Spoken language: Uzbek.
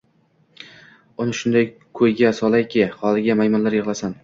Uni shunday koʻyga solayki, holiga maymunlar yigʻlasin.